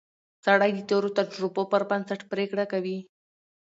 سړی د تېرو تجربو پر بنسټ پریکړه کوي